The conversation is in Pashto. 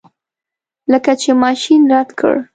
لکه چې ماشین رد کړ.